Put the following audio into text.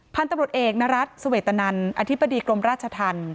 ผ้านตำรวจเอกนรรสสวัสดิตนานอธิบดีกลมราชธรรม